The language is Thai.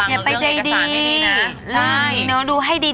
อย่าไปใจดี